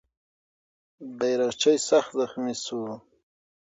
بیرغچی سخت زخمي سو.